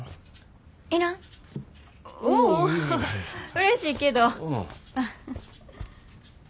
うれしいけど。